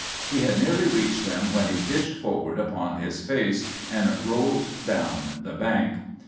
He had nearly reached them when he pitched forward upon his face and rolled down the bank.